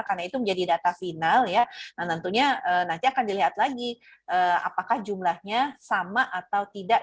karena itu menjadi data final ya nantinya nanti akan dilihat lagi apakah jumlahnya sama atau tidak